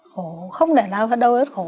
khổ không để đâu hết đôi hết khổ